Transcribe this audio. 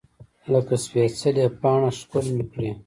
لکه سپیڅلې پاڼه ښکل مې کړې